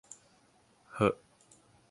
เฮอะ